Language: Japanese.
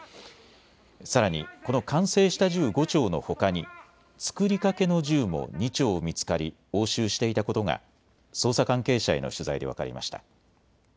さらに、この完成した銃５丁のほかに作りかけの銃も２丁見つかり押収していたことが捜査関係者への取材で分かりました。